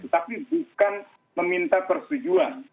tapi bukan meminta persetujuan